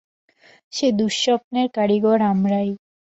যে দুঃস্বপ্নের কারিগর আমরাই।